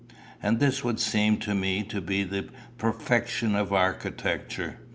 And this would seem to me to be the perfection of architecture.